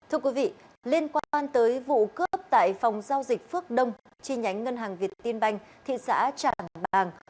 thưa quý vị liên quan tới vụ cướp tại phòng giao dịch phước đông chi nhánh ngân hàng việt tiên banh thị xã trảng bàng